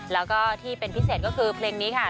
แล้วก็ที่เป็นพิเศษก็คือเพลงนี้ค่ะ